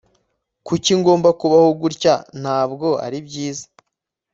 kuki ngomba kubaho gutya? ntabwo ari byiza